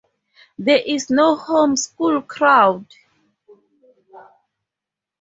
There is no home school crowd.